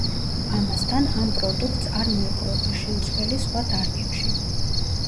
ამასთან, ამ პროდუქტს არ მოეპოვება შემცვლელი სხვა დარგებში.